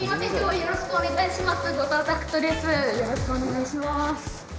よろしくお願いします。